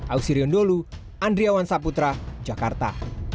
ausrion dolu andria wan saputra jakarta